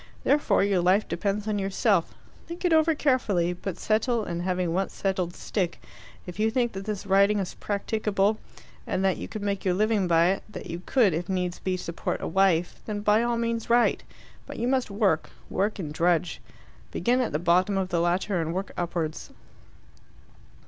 Therefore your life depends on yourself. Think it over carefully, but settle, and having once settled, stick. If you think that this writing is practicable, and that you could make your living by it that you could, if needs be, support a wife then by all means write. But you must work. Work and drudge. Begin at the bottom of the ladder and work upwards."